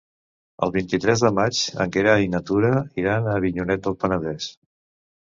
El vint-i-tres de maig en Gerai i na Tura iran a Avinyonet del Penedès.